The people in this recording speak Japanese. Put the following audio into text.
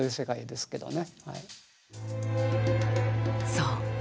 そう。